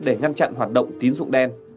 để ngăn chặn hoạt động tín dụng đen